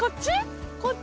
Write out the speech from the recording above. こっち？